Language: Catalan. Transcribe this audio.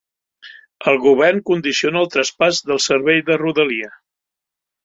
El govern condiciona el traspàs del servei de Rodalia